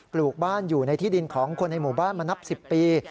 ลูกบ้านอยู่ในที่ดินของคนในหมู่บ้านมานับ๑๐ปี